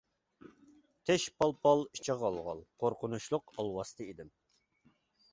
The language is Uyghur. تېشى پال-پال، ئىچى غال-غال قورقۇنچلۇق ئالۋاستى ئىدىم.